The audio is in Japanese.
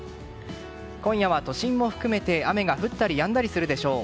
今夜は都心も含めて雨が降ったりやんだりするでしょう。